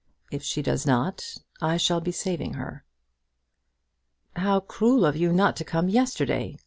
If she does not, I shall be saving her." "How cruel of you not to come yesterday!"